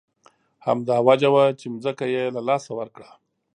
همدا وجه وه چې ځمکه یې له لاسه ورکړه.